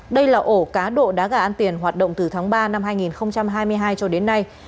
đây là ổ cá độ đá gà ăn tiền hoạt động từ tháng ba năm hai nghìn hai mươi hai cho đến nay